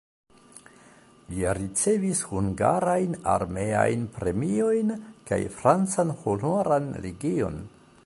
Li ricevis hungarajn armeajn premiojn kaj francan Honoran legion.